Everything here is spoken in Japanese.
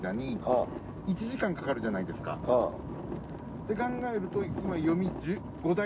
って考えると今読み。